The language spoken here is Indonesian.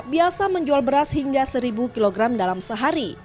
biasa menjual beras hingga seribu kg dalam sehari